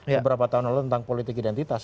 beberapa tahun lalu tentang politik identitas